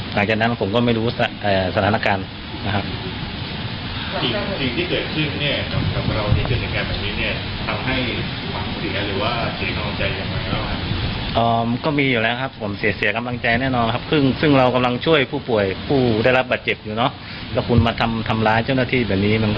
หลังจากนั้นผมก็ไม่รู้สถานการณ์นะครับ